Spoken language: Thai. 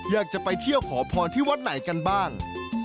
อยากจะไปเที่ยวขอพรที่วัดไหนกันบ้าง